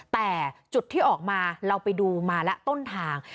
แต่จุดที่ออกมาเราไปดูมาแล้วต้นทาง